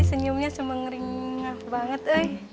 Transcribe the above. senyumnya semengringang banget eh